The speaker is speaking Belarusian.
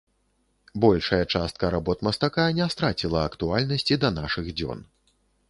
Большая частка работ мастака не страціла актуальнасці да нашых дзён.